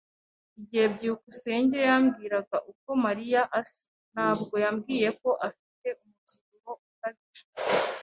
Igihe byukusenge yambwiraga uko Mariya asa, ntabwo yambwiye ko afite umubyibuho ukabije.